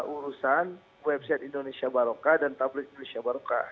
urusan website indonesia barokah dan tabloid indonesia barokah